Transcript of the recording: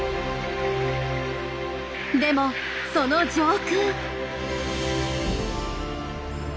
でもその上空。